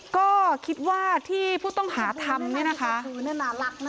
ก็คิดว่าที่ผู้ต้องหาทำเนี่ยนะคะ